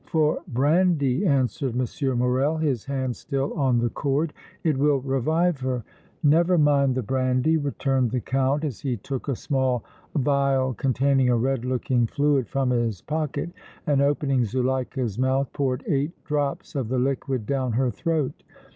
"For brandy," answered M. Morrel, his hand still on the cord. "It will revive her." "Never mind the brandy," returned the Count, as he took a small vial containing a red looking fluid from his pocket and, opening Zuleika's mouth, poured eight drops of the liquid down her throat.